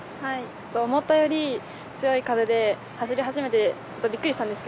思ったより強い風で走り始めてびっくりしました。